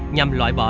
nhằm loại bỏ